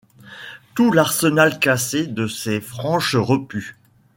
Tout l'arsenal cassé de ses franches repues ;